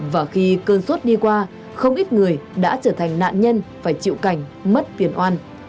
và khi cơn suốt đi qua không ít người đã trở thành nạn nhân phải chịu cảnh mất tiền oan